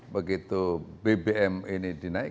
begitu bbm ini dinasih